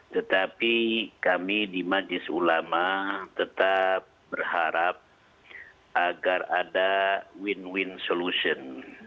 tetapi kami di majlis ulama tetap berharap agar ada win win solution